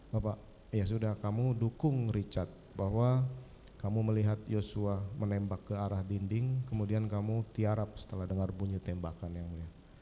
bapak ya sudah kamu dukung richard bahwa kamu melihat joshua menembak ke arah dinding kemudian kamu tiarap setelah dengar bunyi tembakan yang mulia